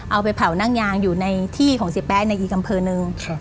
เอาไปเผานั่งยางอยู่ในที่ของเสียแป๊ะในอีกอำเภอหนึ่ง